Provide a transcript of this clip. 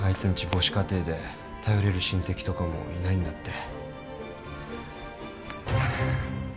母子家庭で頼れる親戚とかもいないんだって。